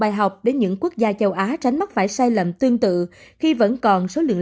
bài học để những quốc gia châu á tránh mắc phải sai lầm tương tự khi vẫn còn số lượng